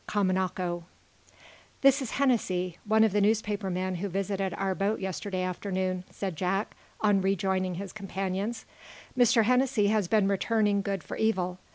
KAMANAKO "This is Mr. Hennessy, one of the newspaper men who visited our boat yesterday afternoon," said Jack, on rejoining his companions. "Mr. Hennessy has been returning good for evil.